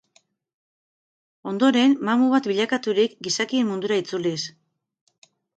Ondoren, mamu bat bilakaturik, gizakien mundura itzuliz.